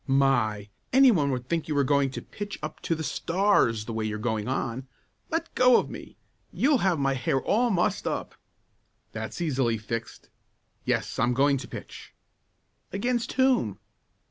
"My! Any one would think you were going to pitch up to the stars the way you're going on. Let go of me; you'll have my hair all mussed up!" "That's easily fixed. Yes, I'm going to pitch." "Against whom?"